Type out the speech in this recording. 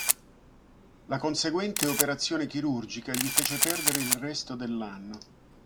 La conseguente operazione chirurgica gli fece perdere il resto dell'anno.